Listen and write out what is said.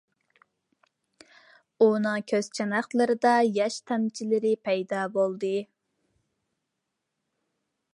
ئۇنىڭ كۆز چاناقلىرىدا ياش تامچىلىرى پەيدا بولدى.